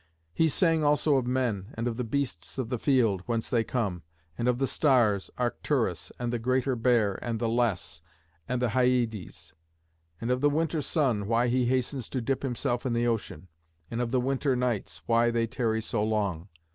He sang also of men, and of the beasts of the field, whence they come; and of the stars, Arcturus, and the Greater Bear and the Less, and the Hyades; and of the winter sun, why he hastens to dip himself in the ocean; and of the winter nights, why they tarry so long.